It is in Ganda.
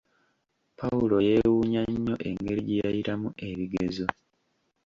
Pawulo yeewunya nnyo engeri gye yayitamu ebigezo.